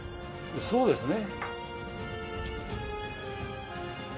そうですね。